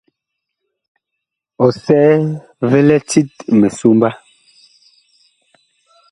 Ɔsɛɛ vi lɛ tit misomba.